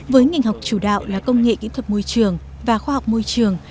với ngành học chủ đạo là công nghệ kỹ thuật môi trường và khoa học môi trường